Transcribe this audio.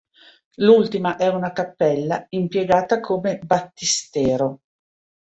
L'ultima è una cappella impiegata come battistero.